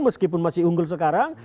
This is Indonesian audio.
meskipun masih unggul sekarang